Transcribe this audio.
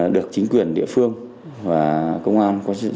được chính quyền địa phương và công an có sự giám sát